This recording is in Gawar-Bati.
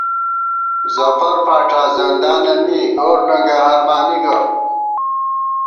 ظفر فاڄا زندانہ می گور ننگئ ہرمانی گہ